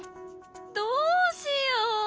どうしよう！